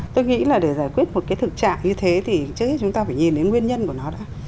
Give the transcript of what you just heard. tôi nghĩ là để giải quyết một cái thực trạng như thế thì trước hết chúng ta phải nhìn đến nguyên nhân của nó đã